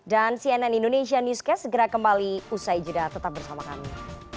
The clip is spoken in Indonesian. dan cnn indonesia newscast segera kembali usai juda tetap bersama kami